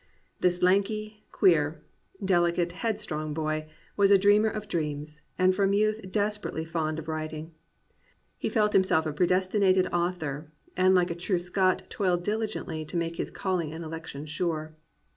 This lanky, queer, delicate, headstrong boy was a dreamer of dreams, and from youth desperately fond of writing. He felt himself a predestinated author, and like a true Scot toiled diligently to make his calling and election sure.